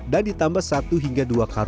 dan ditambah satu hingga dua karun kembali